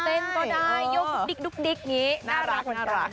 แปลงก็ได้ยกดิ๊กดุ๊กดิ๊กน่ารัก